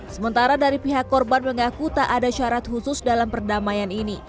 sementara dari pihak korban mengaku tak ada syarat khusus dalam perdamaian ini